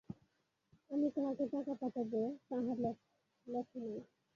আমি কাহাকে টাকা পাঠাইব, তাহা লেখ নাই।